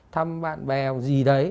thăm bạn bè gì đấy